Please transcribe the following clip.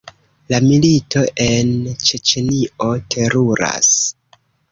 La milito en Ĉeĉenio teruras.